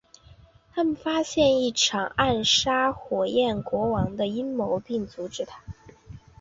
他们发现一场要暗杀火焰国王的阴谋并阻止它。